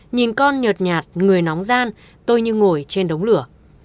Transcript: nhìn con ngợt nhạt người nóng gian tôi như ngồi trên đống lửa